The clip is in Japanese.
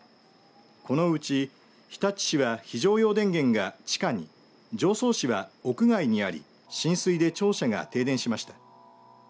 このうち日立市は非常用電源が地下に常総市は屋外にあり浸水で庁舎が停電しました。